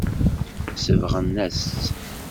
Sebɣen-as-tt.